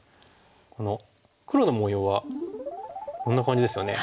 この黒の模様はこんな感じですよね。